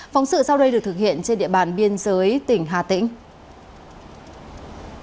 phóng sự sau đây được thực hiện trên địa bàn biên giới tỉnh hà tĩnh